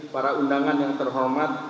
para undangan yang terhormat